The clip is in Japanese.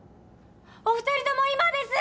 お二人とも今です！